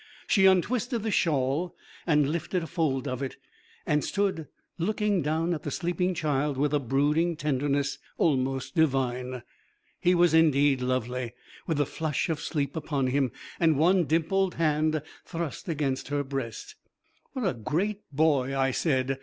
She untwisted the shawl and lifted a fold of it, and stood looking down at the sleeping child with a brooding tenderness, almost divine. He was indeed lovely, with the flush of sleep upon him and one little dimpled hand thrust against her breast. 'What a great boy!' I said.